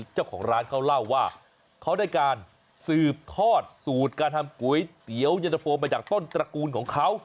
เจ้าของร้านเขาเล่าว่าเขาได้การสืบทอดสูตรการทำก๋วยเตี๋ยวเย็นตะโฟมาจากต้นตระกูลของเขา